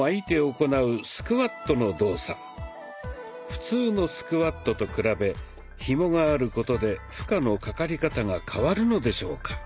普通のスクワットと比べひもがあることで負荷のかかり方が変わるのでしょうか。